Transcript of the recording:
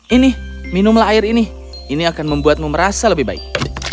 ini minumlah air ini ini akan membuatmu merasa lebih baik